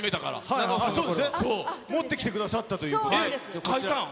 持ってきてくださったということ。